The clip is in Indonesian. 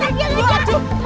dia juga bisa digongkakuum